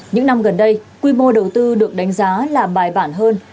những năm gần đây quy mô đầu tư được đánh giá là bài bản hơn